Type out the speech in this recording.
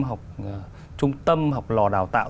học trung tâm học lò đào tạo